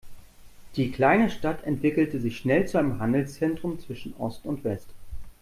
Die kleine Stadt entwickelte sich schnell zu einem Handelszentrum zwischen Ost und West.